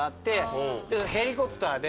ヘリコプターで。